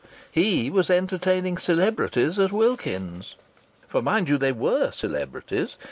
he was entertaining celebrities at Wilkins's. For, mind you, they were celebrities.